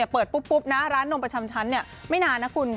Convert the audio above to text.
เปิดปุ๊บนะร้านนมประจำชั้นไม่นานนะคุณ